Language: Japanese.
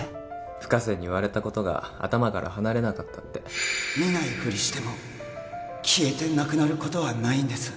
深瀬に言われたことが頭から離れなかったって見ないふりしても消えてなくなることはないんです